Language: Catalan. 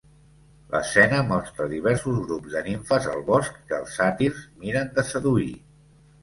L'escena mostra diversos grups de nimfes al bosc que els sàtirs miren de seduir.